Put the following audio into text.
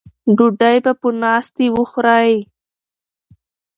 ډوډۍ په ناستې وخورئ.